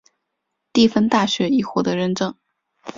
蒂芬大学已获得认证。